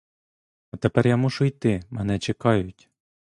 А тепер я мушу йти, мене чекають.